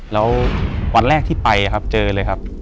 แล้ววันแรกที่ไปครับเจอเลยครับ